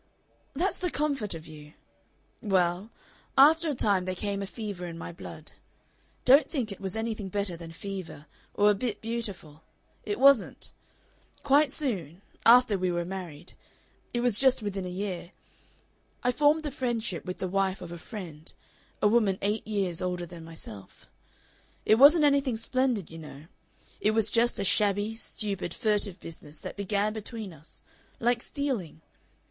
"That's the comfort of you. Well, after a time there came a fever in my blood. Don't think it was anything better than fever or a bit beautiful. It wasn't. Quite soon, after we were married it was just within a year I formed a friendship with the wife of a friend, a woman eight years older than myself.... It wasn't anything splendid, you know. It was just a shabby, stupid, furtive business that began between us. Like stealing.